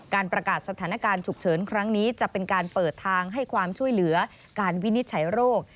การประกาศสถานการณ์ฉุกเฉินครั้งนี้จะเป็นการเปิดทางให้ความช่วยเหลือการวินิจฉัยโรค